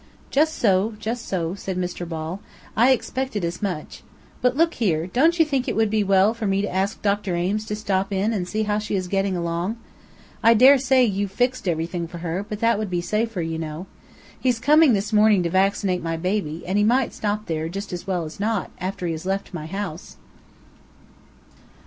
"Just so, just so," said Mr. Ball; "I expected as much. But look here, don't you think it would be well for me to ask Dr. Ames to stop in and see how she is gettin' along? I dare say you've fixed everything for her, but that would be safer, you know. He's coming this morning to vaccinate my baby, and he might stop there, just as well as not, after he has left my house."